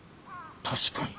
確かに。